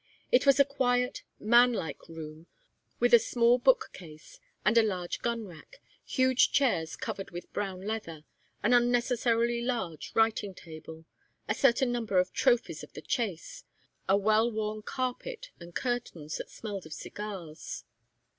It was a quiet, manlike room, with a small bookcase and a large gun rack, huge chairs covered with brown leather, an unnecessarily large writing table, a certain number of trophies of the chase, a well worn carpet and curtains that smelled of cigars.